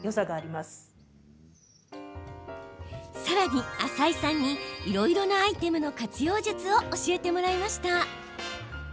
さらに、浅井さんにいろいろなアイテムの活用術を教えてもらいました。